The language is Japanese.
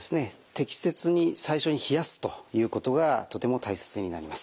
適切に最初に冷やすということがとても大切になります。